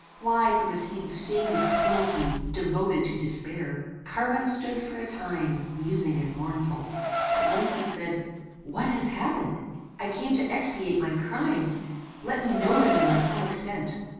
Fly from a scene stained with cruelty; devoted to despair." Carwin stood for a time musing and mournful. At length he said, "What has happened? I came to expiate my crimes: let me know them in their full extent.